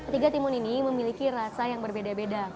tiga timun ini memiliki rasa yang berbeda beda